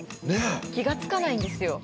気が付かないんですよ